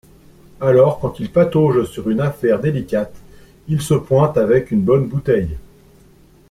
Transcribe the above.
Alors quand il patauge sur une affaire délicate, il se pointe avec une bonne bouteille